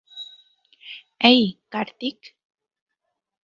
এই, কার্তিক।